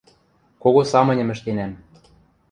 Кого самыньым ӹштенӓм...